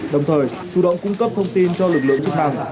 đồng thời chủ động cung cấp thông tin cho lực lượng chức năng